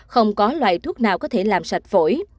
không có loại thuốc nào có thể làm sạch phổi